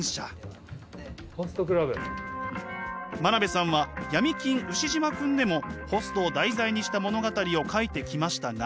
真鍋さんは「闇金ウシジマくん」でもホストを題材にした物語を描いてきましたが。